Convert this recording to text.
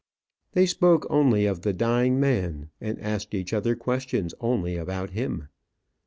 They spoke only of the dying man, and asked each other questions only about him.